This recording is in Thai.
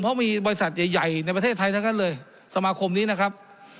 เพราะมีบริษัทใหญ่ใหญ่ในประเทศไทยทั้งนั้นเลยสมาคมนี้นะครับ